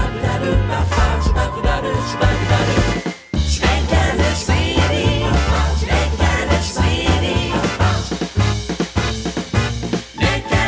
ประชาสุนติธรรม